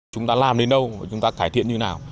chúng ta làm đến đâu chúng ta cải thiện như nào